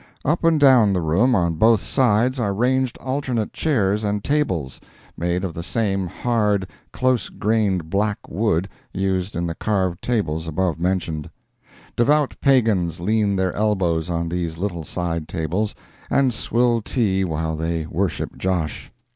Up and down the room, on both sides, are ranged alternate chairs and tables, made of the same hard, close grained black wood used in the carved tables above mentioned; devout pagans lean their elbows on these little side tables, and swill tea while they worship Josh.